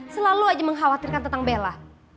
selalu aja mengkhawatirkan tentang bella